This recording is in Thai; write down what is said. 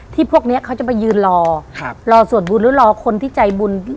พวกนี้เขาจะไปยืนรอรอสวดบุญหรือรอคนที่ใจบุญ